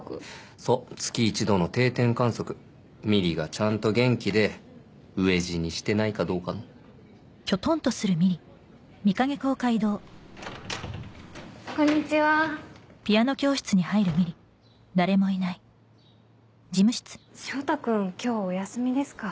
そう月一度の定点観測美璃がちゃんと元気で飢え死にしてないかどうかのこんにちは翔太君今日お休みですか？